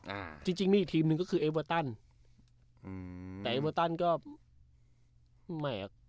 อ่าจริงจริงมีอีกทีมหนึ่งก็คือเอเวอร์ตันอืมแต่เอเวอร์ตันก็ไม่อ่ะ